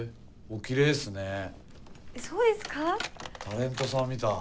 タレントさんみたい。